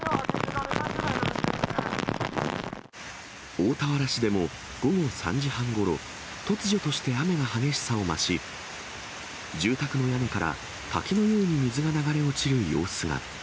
大田原市でも午後３時半ごろ、突如として雨が激しさを増し、住宅の屋根から滝のように水が流れ落ちる様子が。